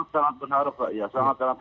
saya berharap pak ya sangat berharap